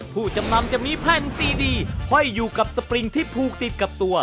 ผู้จำนำจะมีแผ่นซีดีห้อยอยู่กับสปริงที่ผูกติดกับตัว